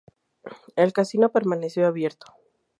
El casino permaneció abierto.